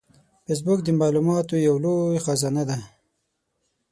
فېسبوک د معلوماتو یو لوی خزانه ده